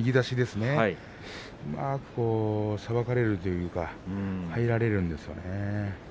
うまくさばかれるというか入られるんですよね。